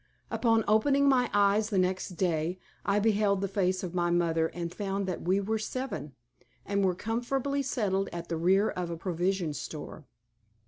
Upon opening my eyes the next day, I beheld the face of my mother and found that we were seven, and were comfortably settled at the rear of a provision store.